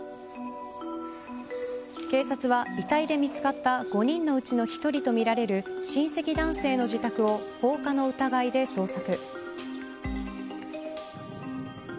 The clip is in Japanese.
警察は遺体で見つかった５人のうちの１人とみられる親戚男性の自宅を放火の疑いで捜索。